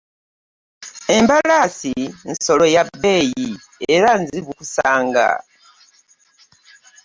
Embalaasi nsolo ya bbeeyi era nzibu kusanga.